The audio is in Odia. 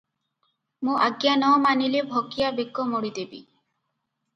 ମୋ ଆଜ୍ଞା ନ ମାନିଲେ ଭଗିଆ ବେକ ମୋଡ଼ିଦେବି ।